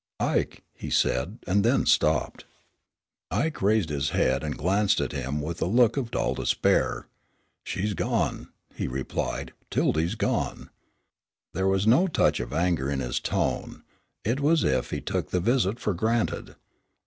"Ike," he said, and then stopped. Ike raised his head and glanced at him with a look of dull despair. "She's gone," he replied; "'Tildy's gone." There was no touch of anger in his tone. It was as if he took the visit for granted.